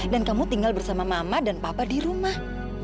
dan kamu tinggal bersama mama dan papa di rumah